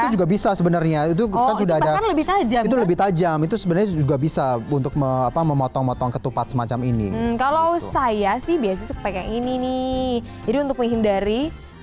itu juga bisa sebenarnya itu kan sudah ada itu lebih tajam itu sebenarnya juga bisa untuk memotong motong ketupat semacam ini kalau saya sih biasanya pakai ini nih jadi untuk menghindari